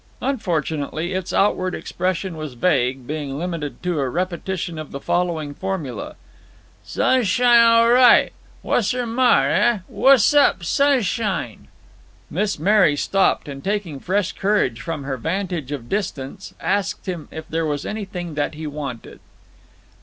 Unfortunately, its outward expression was vague, being limited to a repetition of the following formula "Su'shine all ri'! Wasser maar, eh? Wass up, su'shine?" Miss Mary stopped, and, taking fresh courage from her vantage of distance, asked him if there was anything that he wanted.